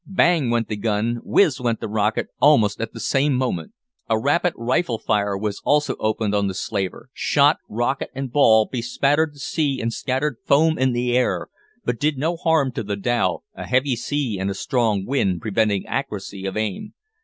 Bang went the gun, whiz went the rocket, almost at the same moment. A rapid rifle fire was also opened on the slaver shot, rocket, and ball bespattered the sea and scattered foam in the air, but did no harm to the dhow, a heavy sea and a strong wind preventing accuracy of aim.